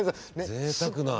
ぜいたくな。ね